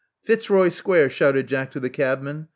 '*Fitzroy Square," shouted Jack to the cabman.